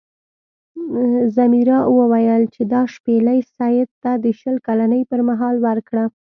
ځمیرا وویل چې دا شپیلۍ سید ته د شل کلنۍ پر مهال ورکړه.